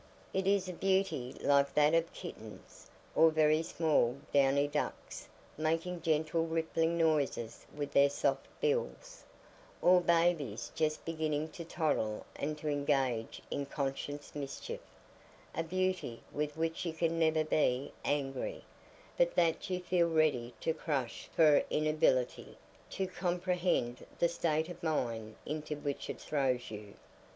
It is a beauty like that of kittens, or very small downy ducks making gentle rippling noises with their soft bills, or babies just beginning to toddle and to engage in conscious mischief—a beauty with which you can never be angry, but that you feel ready to crush for inability to comprehend the state of mind into which it throws you.